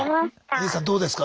ＹＯＵさんどうですか？